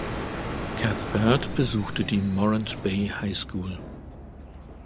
Cuthbert besuchte die "Morant Bay High School".